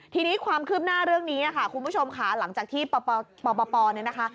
ทีนี้ความคืบหน้าเรื่องนี้ค่ะคุณผู้ชมค่ะหลังจากที่ปปเนี่ยนะคะ